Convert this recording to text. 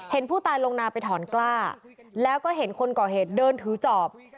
ผู้ตายลงนาไปถอนกล้าแล้วก็เห็นคนก่อเหตุเดินถือจอบ